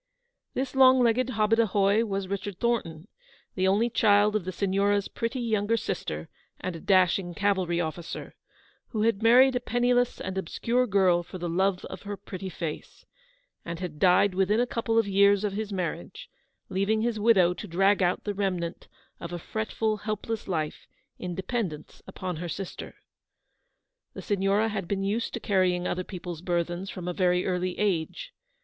This long legged hobadahoy was Richard Thornton, the only child of the Signora' s pretty younger sister and a dashing cavalry officer, who had married a penniless and obscure girl for the love of her pretty face, and had died within a couple of years of his marriage, leaving his widow to drag out the remnant of a fretful, help less life in dependence upon her sister. The Signora had been used to carrying other people's burthens from a very early age.